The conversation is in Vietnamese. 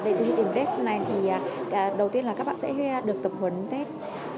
về từ hình tết này thì đầu tiên là các bạn sẽ được tập huấn tết